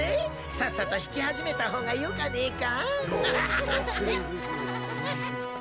さっさと弾き始めた方がよかねえか？